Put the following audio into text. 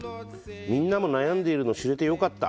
「みんなも悩んでいるの知れてよかった。